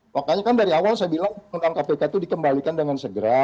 makanya kan dari awal saya bilang undang kpk itu dikembalikan dengan segera